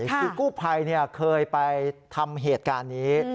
คือกู้ภัยเคยไปทำเหตุการณ์นี้